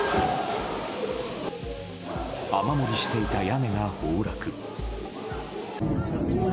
雨漏りしていた屋根が崩落。